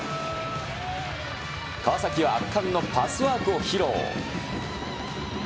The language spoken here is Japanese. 川崎は圧巻のパスワークを披露。